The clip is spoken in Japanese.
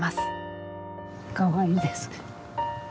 かわいいです。